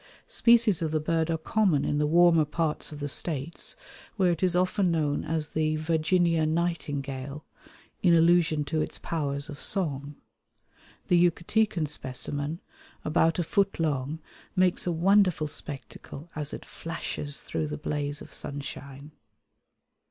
Species of the bird are common in the warmer parts of the States, where it is often known as the Virginia Nightingale, in allusion to its powers of song. The Yucatecan specimen, about a foot long, makes a wonderful spectacle as it flashes through the blaze of sunshine.